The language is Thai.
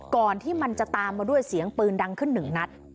ก่อนที่มันจะตามมาด้วยเสียงปืนดังขึ้นหนึ่งนัด